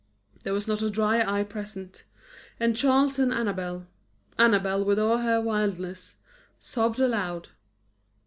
There was not a dry eye present; and Charles and Annabel Annabel with all her wildness sobbed aloud.